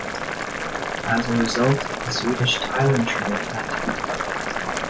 As a result, a Swedish tilting train had to be developed.